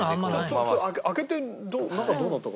開けて中どうなったか。